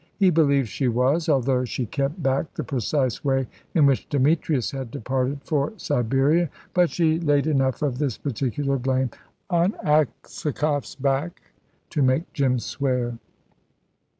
He believed she was, although she kept back the precise way in which Demetrius had departed for Siberia. But she laid enough of this particular blame on Aksakoff's back to make Jim swear.